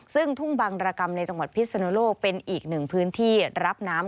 ซึ่งทุ่งบังรกรรมในจังหวัดพิศนุโลกเป็นอีกหนึ่งพื้นที่รับน้ำ